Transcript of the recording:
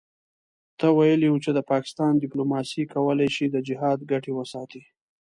ته ویلي وو چې د پاکستان دیپلوماسي کولای شي د جهاد ګټې وساتي.